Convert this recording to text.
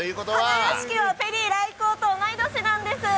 花やしきはペリー来航と同い年なんです。